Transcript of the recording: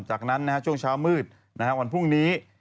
จากนั้นช่วงเช้ามืดวันพรุ่งนี้